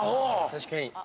確かに。